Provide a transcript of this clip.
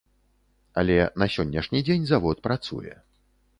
Але на сённяшні дзень завод працуе.